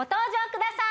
くださーい